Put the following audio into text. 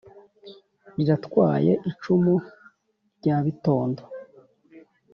riratwaye icumu rya bitondo